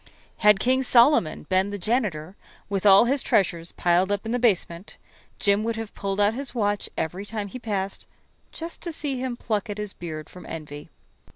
Had King Solomon been the janitor, with all his treasures piled up in the basement, Jim would have pulled out his watch every time he passed, just to see him pluck at his beard from envy.